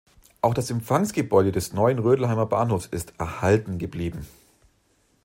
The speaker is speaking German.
Auch das Empfangsgebäude des neuen Rödelheimer Bahnhofs ist erhalten geblieben.